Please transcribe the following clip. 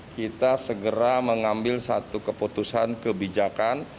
kita segera mengambil satu keputusan kebijakan